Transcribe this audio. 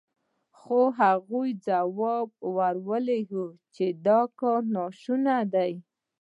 خو هغوی ځواب ور ولېږه چې دا کار ناشونی دی.